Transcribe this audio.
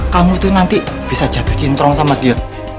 kamu tuh nanti bisa jatuh cintron sama dia